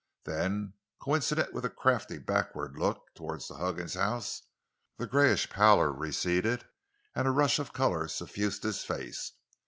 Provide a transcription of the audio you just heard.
Then, coincident with a crafty backward look—toward the Huggins house—the grayish pallor receded and a rush of color suffused his face.